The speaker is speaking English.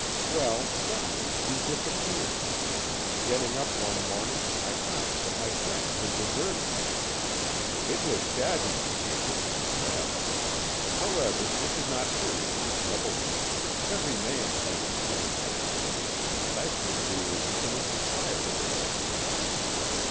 Well, suddenly you disappeared; getting up one morning, I found that my friend had deserted me. "It was shabby behaviour, at the best. However, it did not seriously trouble me; every man is his own master, and I think we were beginning to tire a little of each other.